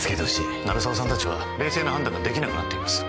鳴沢さんたちは冷静な判断ができなくなっています